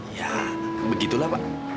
ya begitulah pak